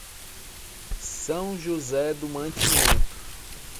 São José do Mantimento